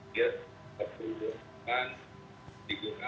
terdaftar dan berisik ketiga